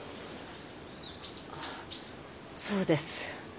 あそうです。